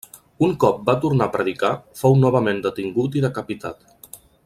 Un cop va tornar a predicar, fou novament detingut i decapitat.